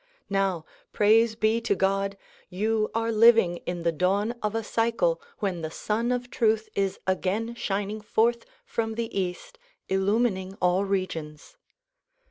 Now, Praise be to God! you are living in the dawn of a cycle when the Sun of Truth is again shining forth from the east illumining all regions.